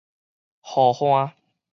護岸